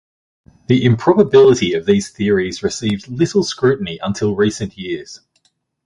The improbability of these theories received little scrutiny until recent years.